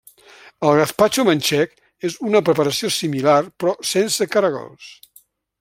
El gaspatxo manxec és una preparació similar però sense caragols.